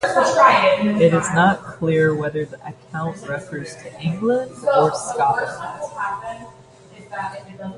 It is not clear whether the account refers to England or Scotland.